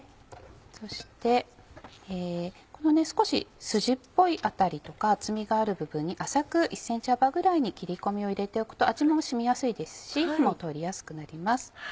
そして少しスジっぽい辺りとか厚みがある部分に浅く１ｃｍ幅ぐらいに切り込みを入れておくと味も染みやすいですし火も通りやすくなります。